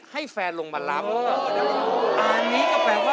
ให้แค่นี้